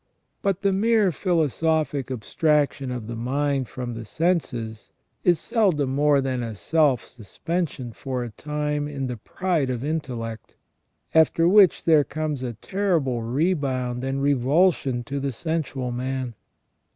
But the mere philosophic abstraction of the mind from the senses is seldom more than a self suspension for a time in the pride of intellect, after which there comes a terrible rebound and revulsion to the sensual man.